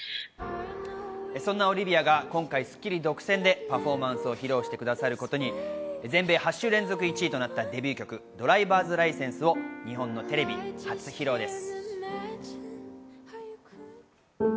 そんなオリヴィアが今回『スッキリ』独占でパフォーマンスを披露してくださることに全米８週連続１位となったデビュー曲『ｄｒｉｖｅｒｓｌｉｃｅｎｓｅ』を日本のテレビ初披露です。